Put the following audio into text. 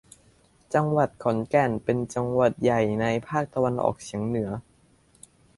จังหวัดขอนแก่น เป็นจังหวัดใหญ่ในภาคตะวันออกเฉียงเหนือ